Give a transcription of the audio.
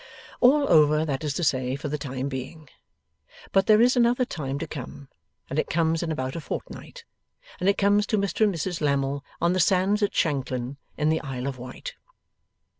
All over, that is to say, for the time being. But, there is another time to come, and it comes in about a fortnight, and it comes to Mr and Mrs Lammle on the sands at Shanklin, in the Isle of Wight.